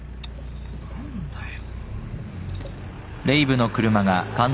何だよ。